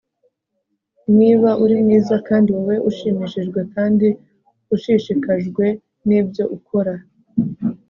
niba uri mwiza kandi rwose ushimishijwe kandi ushishikajwe nibyo ukora